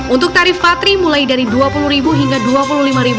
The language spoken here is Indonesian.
untuk tarif patri mulai dari rp dua puluh hingga rp dua puluh lima